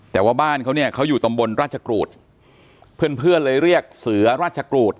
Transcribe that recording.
แต่ว่าบ้านเขาเนี่ยเขาอยู่ตำบลราชกรูดเพื่อนเพื่อนเลยเรียกเสือราชกรูด